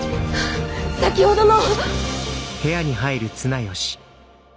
先ほどの！